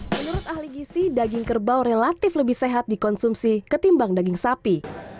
menurut ahli gisi daging kerbau relatif lebih sehat dikonsumsi ketimbang daging sapi